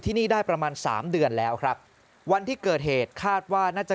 ที่นี่ได้ประมาณสามเดือนแล้วครับวันที่เกิดเหตุคาดว่าน่าจะ